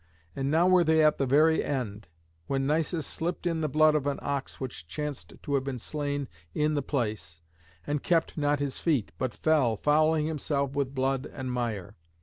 And now were they at the very end, when Nisus slipped in the blood of an ox which chanced to have been slain in the place, and kept not his feet, but fell, fouling himself with blood and mire.